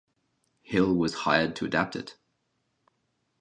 Hill was hired to adapt it.